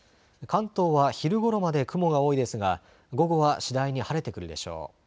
関東は昼ごろまで雲が多いですが午後は次第に晴れてくるでしょう。